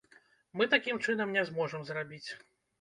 Мы такім чынам не зможам зрабіць.